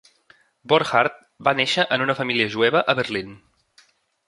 Borchardt va néixer en una família jueva a Berlín.